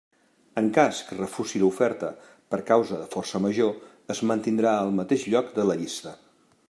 En cas que refusi l'oferta per causa de força major es mantindrà al mateix lloc de la llista.